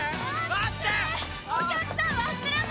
待ってー！